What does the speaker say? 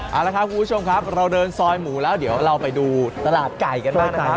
เอาละครับคุณผู้ชมครับเราเดินซอยหมูแล้วเดี๋ยวเราไปดูตลาดไก่กันบ้างนะครับ